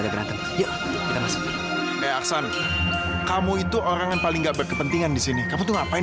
berantem yuk kita masuk aksan kamu itu orang yang paling gak berkepentingan di sini kamu tuh ngapain